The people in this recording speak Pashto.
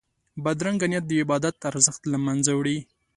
بدرنګه نیت د عبادت ارزښت له منځه وړي